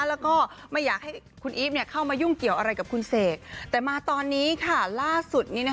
แล้วก็ไม่อยากให้คุณอีฟเข้ามายุ่งเกี่ยวอะไรกับคุณเสกแต่มาตอนนี้ล่าสุด